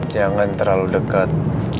jangan terlalu deket